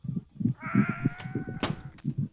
康克林镇区为美国堪萨斯州波尼县辖下的镇区。